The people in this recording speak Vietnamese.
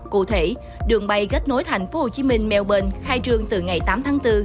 cụ thể đường bay kết nối tp hcm melbong khai trương từ ngày tám tháng bốn